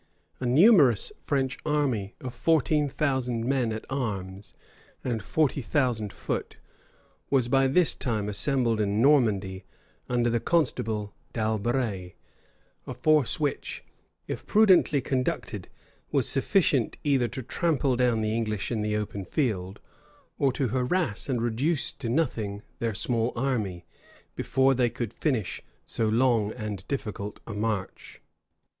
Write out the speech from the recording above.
A numerous French army of fourteen thousand men at arms and forty thousand foot, was by this time assembled in Normandy under the constable D'Albret; a force which, if prudently conducted, was sufficient either to trample down the English in the open field, or to harass and reduce to nothing their small army, before they could finish so long and difficult a march.